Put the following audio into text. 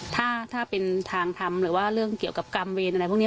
ถ้าเป็นทางทำหรือว่าเรื่องเกี่ยวกับกรรมเวรอะไรพวกนี้